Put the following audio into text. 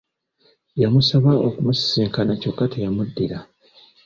Yamusaba okumusisinkana kyokka teyamuddira .